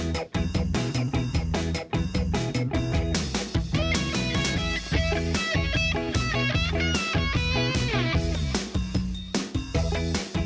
โปรดติดตามตอนต่อไป